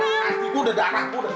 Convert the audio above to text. tadi becok becok di becok becok